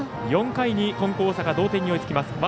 ４回に金光大阪同点に追いつきます。